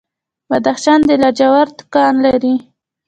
بدخشان د لاجوردو کان لري